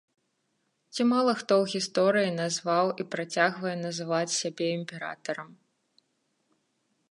Ці мала хто ў гісторыі назваў і працягвае называць сябе імператарам.